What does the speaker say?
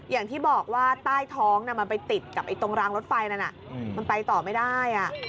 อย่างที่บอกว่าใต้ท้องมันไปติดกับตรงรางรถไฟนั้นมันไปต่อไม่ได้